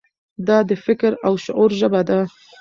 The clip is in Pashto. دا د فکر او شعور ژبه ده.